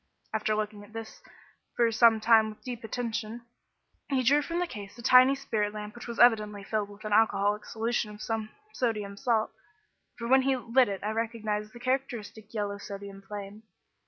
After looking at this for some time with deep attention, he drew from the case a tiny spirit lamp which was evidently filled with an alcoholic solution of some sodium salt, for when he lit it I recognised the characteristic yellow sodium flame.